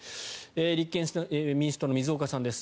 立憲民主党の水岡さんです。